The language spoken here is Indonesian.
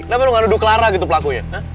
kenapa lu gak nuduh clara gitu pelakunya